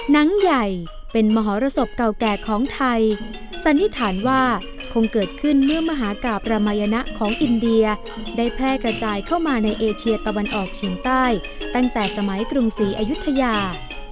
หนังใหญ่เป็นมหรสบเก่าแก่ของไทยสันนิษฐานว่าคงเกิดขึ้นเมื่อมหากราบรามายนะของอินเดียได้แพร่กระจายเข้ามาในเอเชียตะวันออกเฉียงใต้ตั้งแต่สมัยกรุงศรีอายุทยา